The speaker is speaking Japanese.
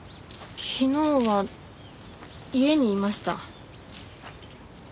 昨日は家にいました。